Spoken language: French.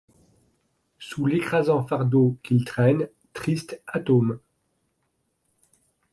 Sous l’écrasant fardeau qu’il traîne, triste atome